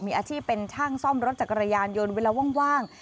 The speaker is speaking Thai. มีอาชีพเป็นช่างซ่อมรถจักรยานยนต์เวลาว่าง